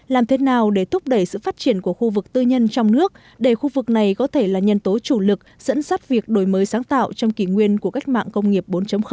làm thế nào để thúc đẩy sự phát triển của khu vực tư nhân trong nước để khu vực này có thể là nhân tố chủ lực dẫn dắt việc đổi mới sáng tạo trong kỷ nguyên của cách mạng công nghiệp bốn